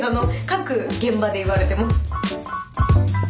各現場で言われてます。